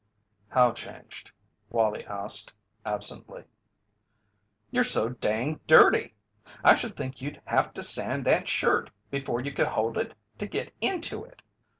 "How, changed?" Wallie asked, absently. "You're so danged dirty! I should think you'd have to sand that shirt before you could hold it to git into it."